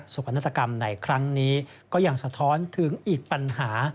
กนาฏกรรมในครั้งนี้ก็ยังสะท้อนถึงอีกปัญหา